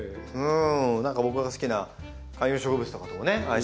何か僕が好きな観葉植物とかともね相性